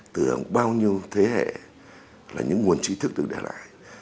từ bao nhiêu thế hệ là những nguồn trí thức được để lại